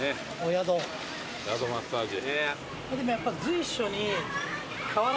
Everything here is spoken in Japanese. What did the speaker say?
宿マッサージ。